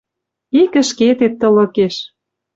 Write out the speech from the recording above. Ик ӹшкетет тылыкеш